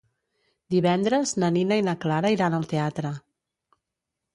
Divendres na Nina i na Clara iran al teatre.